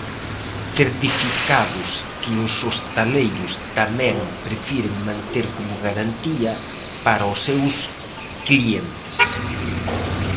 Certificados que os hostaleiros tamén prefiren manter como garantía para os seus clientes.